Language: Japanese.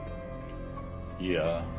いや。